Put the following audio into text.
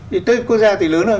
thì tên quốc gia thì lớn hơn